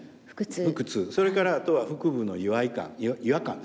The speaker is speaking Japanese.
それからあとは腹部の違和感ですね。